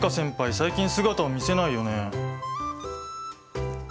最近姿を見せないよね。